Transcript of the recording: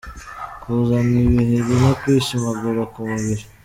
Kuzana ibiheri no kwishimagura ku mubiri .